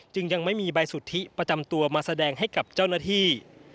ยังไม่มีใบสุทธิประจำตัวมาแสดงให้กับเจ้าหน้าที่